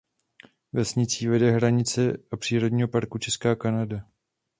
Vesnicí vede hranice přírodního parku Česká Kanada.